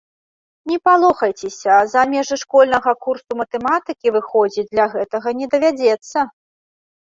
Не палохайцеся, за межы школьнага курсу матэматыкі выходзіць для гэтага не давядзецца.